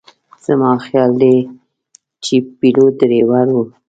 زما خیال دی چې پیلوټ ډریور و.